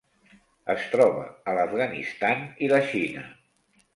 Es troba a l'Afganistan i la Xina.